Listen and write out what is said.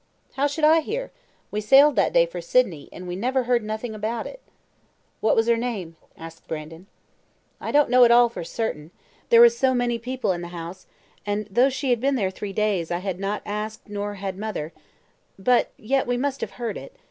"How should I hear? We sailed that day for Sydney, and we never heard nothing about it." "What was her name?" asked Brandon. "I don't know at all for certain; there was so many people in the house, that though she had been there three days, I had not asked nor had mother, but yet we must have heard it.